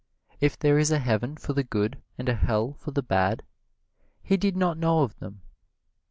If there is a heaven for the good and a hell for the bad, he did not know of them.